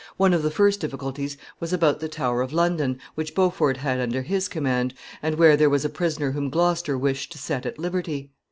One of the first difficulties was about the Tower of London, which Beaufort had under his command, and where there was a prisoner whom Gloucester wished to set at liberty.